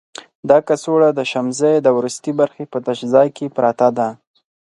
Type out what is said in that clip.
دا کڅوړه د شمزۍ د وروستي برخې په تش ځای کې پرته ده.